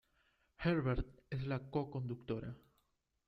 Herbert es la co-conductora.